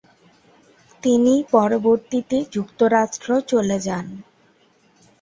তিনি পরবর্তীতে যুক্তরাষ্ট্র চলে যান।